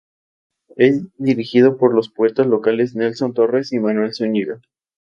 Es dirigido por los poetas locales Nelson Torres y Manuel Zúñiga.